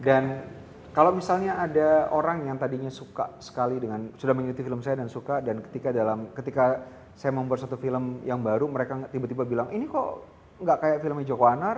dan kalau misalnya ada orang yang tadinya suka sekali dengan sudah mengikuti film saya dan suka dan ketika dalam ketika saya membuat satu film yang baru mereka tiba tiba bilang ini kok gak kayak film joko anar